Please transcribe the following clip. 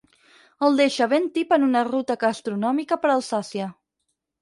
El deixa ben tip en una ruta gastronòmica per Alsàcia.